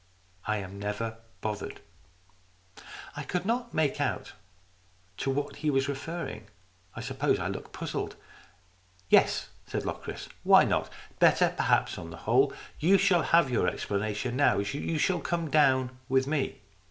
I am never bothered." I could not quite make out to what he was referring. I suppose I looked puzzled. " Yes," said Locris, suddenly. " Why not ? Better perhaps on the whole. You shall have your ex planation now. You shall come down with me."